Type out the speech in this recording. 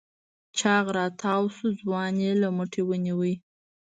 چاغ راتاوشو ځوان يې له مټې ونيو.